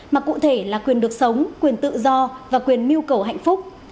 mà cụ thể là quyền được sống quyền tự do và quyền mưu cầu hạnh phúc